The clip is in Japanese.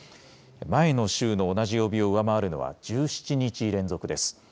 前の週の同じ曜日を上回るのは１７日連続です。